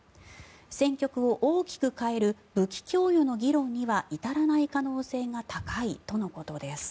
戦局を大きく変える武器供与の議論には至らない可能性が高いとのことです。